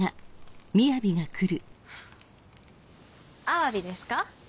アワビですか？